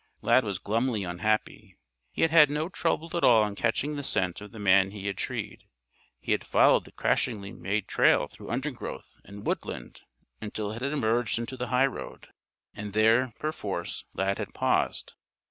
Lad was glumly unhappy. He had had no trouble at all in catching the scent of the man he had treed. He had followed the crashingly made trail through undergrowth and woodland until it had emerged into the highroad. And there, perforce, Lad had paused.